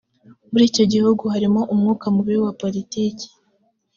muri icyo gihugu harimo umwuka mubi wa politiki